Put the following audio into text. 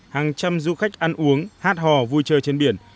hàng trăm du khách ăn uống hát hò vui chơi trên biển